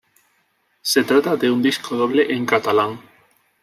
Se trata de un disco doble en catalán.